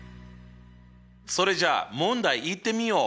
それじゃあ問題いってみよう！